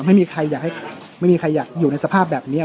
ไม่มีใครอยากให้ไม่มีใครอยากอยู่ในสภาพแบบนี้